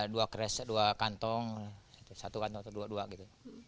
dua kres dua kantong satu kantong atau dua dua gitu